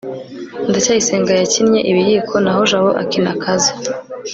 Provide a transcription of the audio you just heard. ndacyayisenga yakinnye ibiyiko naho jabo akina kazoo